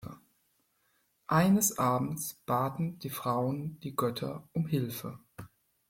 Eines abends, baten die Frauen die Götter um Hilfe.